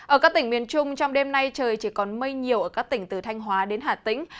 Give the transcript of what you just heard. ở các tỉnh miền trung trong đêm nay trời chỉ còn mây nhiều ở các tỉnh từ thanh hóa đến hà tĩnh